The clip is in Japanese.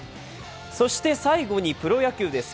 そして最後にプロ野球です。